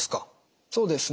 そうですね。